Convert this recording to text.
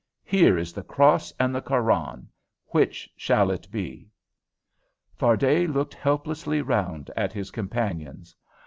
Here is the cross and the Koran which shall it be?" Fardet looked helplessly round at his companions.